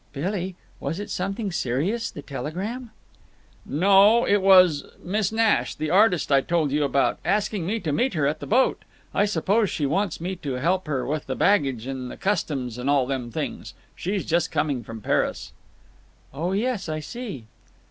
"Billy—was it something serious, the telegram?" "No, it was—Miss Nash, the artist I told you about, asked me to meet her at the boat. I suppose she wants me to help her with her baggage and the customs and all them things. She's just coming from Paris." "Oh yes, I see."